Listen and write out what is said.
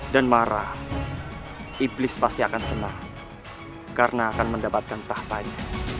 dan marah iblis pasti akan senang karena akan mendapatkan tahtanya